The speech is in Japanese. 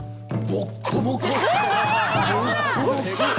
ボコボコ！